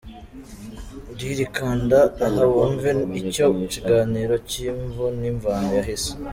Ndlr: Kanda aha wumve icyo kiganiro cy’imvo n’imvano yahise